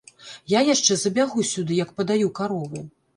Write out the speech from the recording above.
Я яшчэ забягу сюды, як падаю каровы.